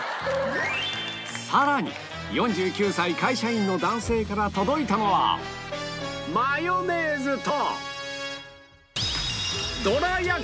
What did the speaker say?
更に４９歳会社員の男性から届いたのはマヨネーズと